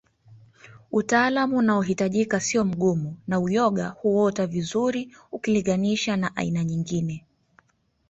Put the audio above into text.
Utaalamu unaohitajika siyo mgumu na uyoga huota vizuri ukiliganisha na aina nyingine